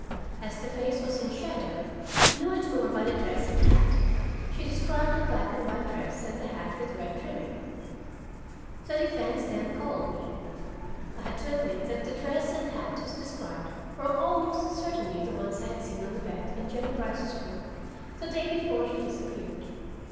As the face was in shadow, knew it more by the dress and hat: she described the black and white dress and the hat with red trimming. The defense then called me. I had to admit that the dress and hat as described were almost certainly the ones I had seen on the bed in Jennie Brice's room the day before she disappeared.